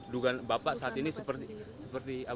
dugaan bapak saat ini seperti apa